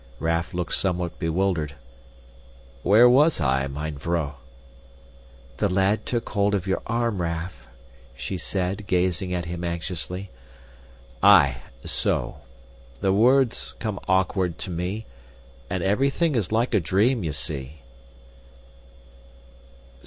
Raff looked somewhat bewildered. "Where was I, mine vrouw?" "The lad took hold of your arm, Raff," she said, gazing at him anxiously. "Aye, so. The words come awkward to me, and everything is like a dream, ye see."